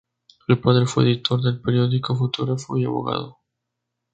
Su padre fue editor de periódico, fotógrafo y abogado.